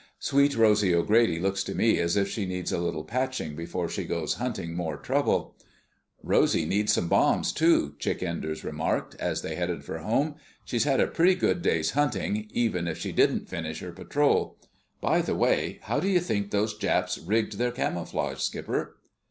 Sweet Rosy O'Grady looks to me as if she needs a little patching before she goes hunting more trouble." "Rosy needs bombs, too," Chick Enders remarked, as they headed for home. "She's had a pretty good day's hunting, even if she didn't finish her patrol. By the way—how do you think those Japs rigged their camouflage, Skipper?"